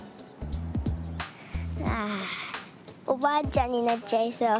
ああおばあちゃんになっちゃいそう。